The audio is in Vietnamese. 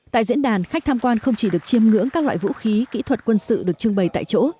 tại diễn đàn khách tham quan không chỉ được chiêm ngưỡng các loại vũ khí kỹ thuật quân sự được trưng bày tại chỗ